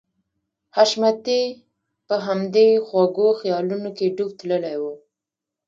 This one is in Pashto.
حشمتي په همدې خوږو خيالونو کې ډوب تللی و.